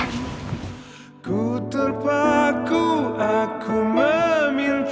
aku terpaku aku meminta